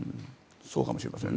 そうかもしれません。